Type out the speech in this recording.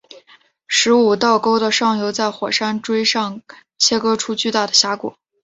十五道沟的上游在火山锥上切割出巨大的峡谷。